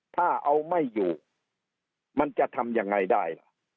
ถ้าเอาไม่อยู่มันจะทำยังไงได้ล่ะ